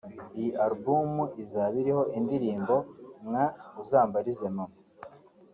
Iyi Album izaba iriho indirimbo nka “Uzambarize Mama”